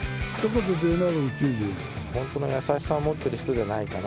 本当の優しさを持ってる人じゃないかな。